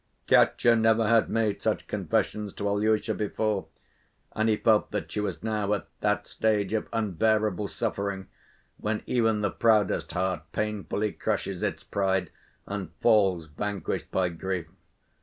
Katya never had made such confessions to Alyosha before, and he felt that she was now at that stage of unbearable suffering when even the proudest heart painfully crushes its pride and falls vanquished by grief.